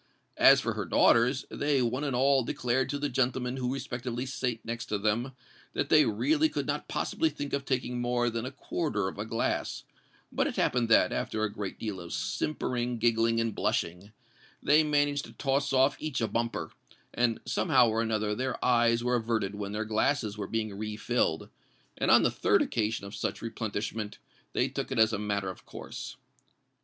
As for her daughters, they one and all declared to the gentlemen who respectively sate next to them, that they really could not possibly think of taking more than a quarter of a glass; but it happened that, after a great deal of simpering, giggling, and blushing, they managed to toss off each a bumper; and somehow or another their eyes were averted when their glasses were being refilled; and on the third occasion of such replenishment, they took it as a matter of course.